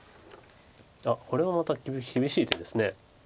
あっこれはまた厳しい手です。